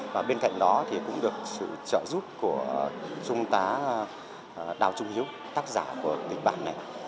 và bên cạnh đó thì cũng được sự trợ giúp của trung tá đào trung hiếu tác giả của kịch bản này